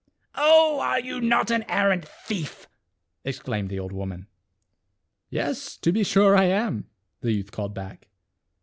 "Oh! are you not an arrant thief ?" exclaimed the old woman. " Yes, to be sure I am," the youth called back.